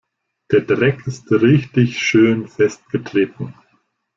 Der Dreck ist richtig schön festgetreten.